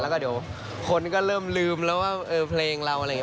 แล้วก็เดี๋ยวคนก็เริ่มลืมแล้วว่าเพลงเราอะไรอย่างนี้